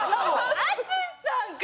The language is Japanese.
淳さんか！